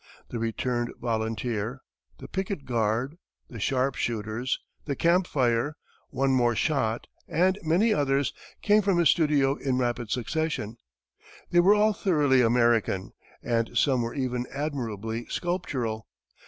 "The Returned Volunteer," "The Picket Guard," "The Sharp shooters," "The Camp fire," "One More Shot," and many others, came from his studio in rapid succession. They were all thoroughly American, and some were even admirably sculptural.